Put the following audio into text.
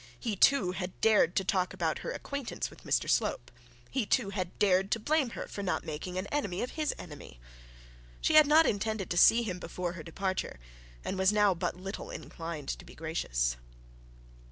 He, too, had dared to talk about her acquaintance with Mr Slope; he, too, had dared to blame her for not making an enemy of his enemy. She had not intended to see him before her departure, and was now but little inclined to be gracious.